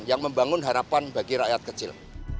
yang membangun harapan bagi rakyat kecil